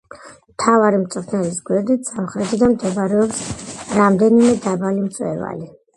მთავარი მწვერვალის გვერდით, სამხრეთიდან მდებარეობს რამდენიმე დაბალი მწვერვალი.